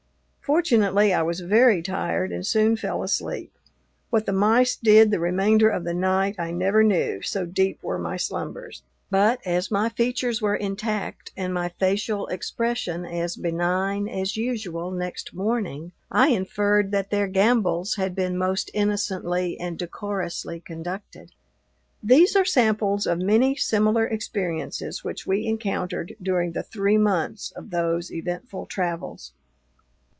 Fortunately, I was very tired and soon fell asleep. What the mice did the remainder of the night I never knew, so deep were my slumbers. But, as my features were intact, and my facial expression as benign as usual next morning, I inferred that their gambols had been most innocently and decorously conducted. These are samples of many similar experiences which we encountered during the three months of those eventful travels.